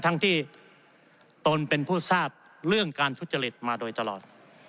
ทั้งที่ตนเป็นผู้ทราบเรื่องการทุจริตมาโดยตลอด